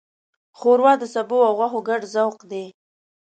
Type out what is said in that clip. ښوروا د سبو او غوښو ګډ ذوق دی.